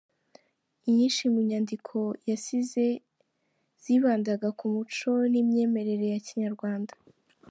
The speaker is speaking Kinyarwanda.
Inyinshi mu nyandiko yasize zibandaga ku muco n'imyemerere ya Kinyarwanda.